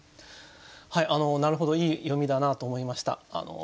はいなるほどいい読みだなと思いました。